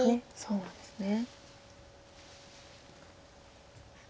そうなんですね。